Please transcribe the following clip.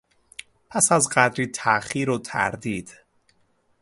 پس از قدری تاخیر و تردید...